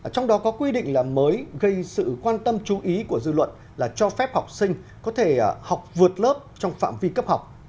trong đó có quy định là mới gây sự quan tâm chú ý của dư luận là cho phép học sinh có thể học vượt lớp trong phạm vi cấp học